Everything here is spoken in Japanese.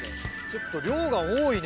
ちょっと量が多いね。